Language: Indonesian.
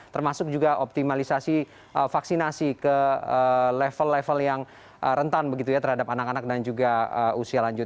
termasuk juga optimalisasi vaksinasi ke level level yang rentan begitu ya terhadap anak anak dan juga usia lanjut